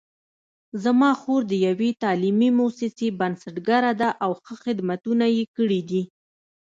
زما خور د یوې تعلیمي مؤسسې بنسټګره ده او ښه خدمتونه یې کړي دي